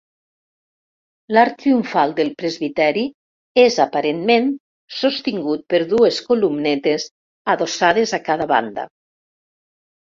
L'arc triomfal del presbiteri és aparentment sostingut per dues columnetes adossades a cada banda.